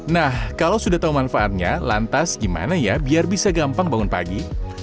nah kalau sudah tahu manfaatnya lantas gimana ya biar bisa gampang bangun pagi